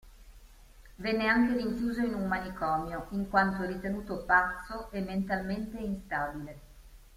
Venne anche rinchiuso in un manicomio in quanto ritenuto pazzo e mentalmente instabile.